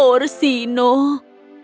orsino jatuh cinta padaku